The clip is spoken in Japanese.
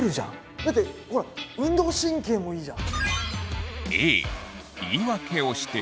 だってほら運動神経もいいじゃん！